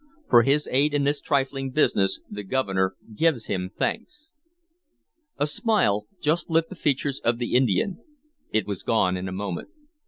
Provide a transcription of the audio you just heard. For his aid in this trifling business the Governor gives him thanks." A smile just lit the features of the Indian. It was gone in a moment.